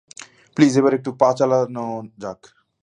Please এবার একটু পা চালানো যাক।